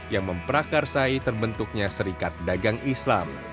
yang memprakarsai terbentuknya serikat dagang islam